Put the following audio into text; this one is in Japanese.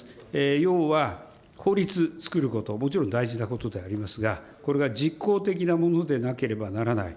要は法律つくること、もちろん大事なことでありますが、これが実効的なものでなければならない。